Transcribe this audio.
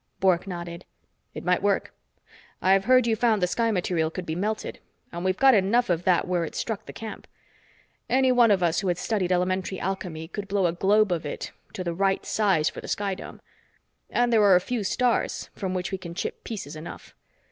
Bork nodded. "It might work. I've heard you found the sky material could be melted, and we've got enough of that where it struck the camp. Any one of us who has studied elementary alchemy could blow a globe of it to the right size for the sky dome. And there are a few stars from which we can chip pieces enough.